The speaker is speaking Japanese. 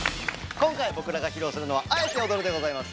今回僕らが披露するのは「アエテオドル」でございます。